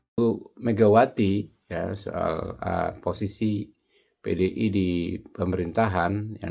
itu megawati ya soal posisi pdi di pemerintahan yang